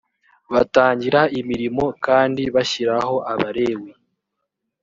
batangira imirimo kandi bashyiraho abalewi